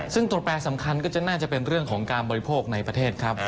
ซึ่งตัวแปรสำคัญก็จะน่าจะเป็นเรื่องของการบริโภคในประเทศครับ